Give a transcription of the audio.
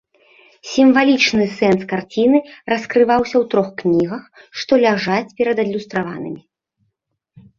Сімвалічны сэнс карціны раскрываўся ў трох кнігах, што ляжаць перад адлюстраванымі.